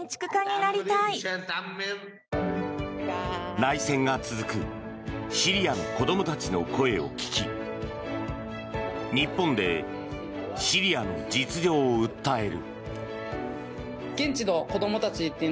内戦が続くシリアの子どもたちの声を聞き日本でシリアの実情を訴える。